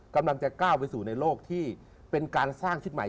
กำลังจะก้าวไปสู่ในโลกที่เป็นการสร้างชุดใหม่